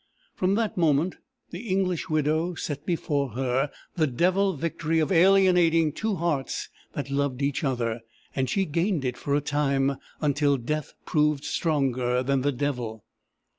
"From that moment, the English widow set before her the devil victory of alienating two hearts that loved each other and she gained it for a time until Death proved stronger than the Devil.